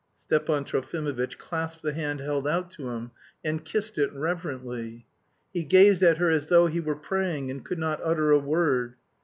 Stepan Trofimovitch clasped the hand held out to him and kissed it reverently. He gazed at her as though he were praying and could not utter a word.